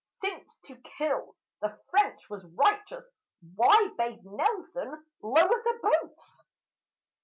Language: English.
Since to kill the French was righteous, why bade Nelson lower the boats?